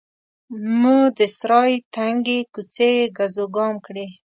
مو د سرای تنګې کوڅې ګزوګام کړې.